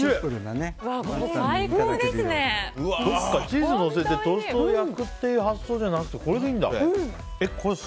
チーズをのせてトーストを焼くっていう発想じゃなくてこれでいいんだ。